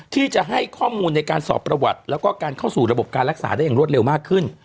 ที่จะให้ข้อมูลในการสอบประวัติแล้วก็การเข้าสู่ระบบการรักษาได้อย่างรวดเร็วมากขึ้น